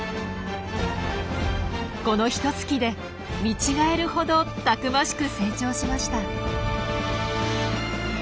このひとつきで見違えるほどたくましく成長しました。